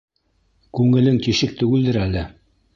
— Күңелең тишек түгелдер әле.